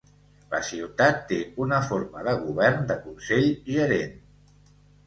La ciutat té una forma de govern de consell-gerent.